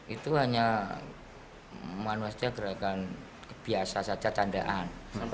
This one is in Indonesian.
itu hanya manuasnya gerakan biasa saja candaan